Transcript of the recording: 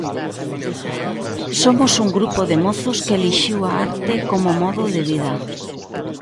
Somos un grupo de mozos que elixiu a arte como modo de vida.